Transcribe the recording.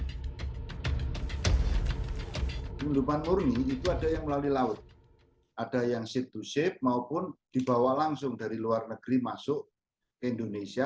minuman murni itu ada yang melalui laut ada yang ship to ship maupun dibawa langsung dari luar negeri masuk ke indonesia